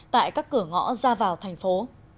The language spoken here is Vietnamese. tại các cửa ngõ ra vào thành phố